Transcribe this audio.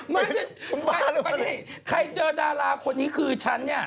มาจี๊อย่างงี้ใครเจอดาราคนนี้คือฉันนี่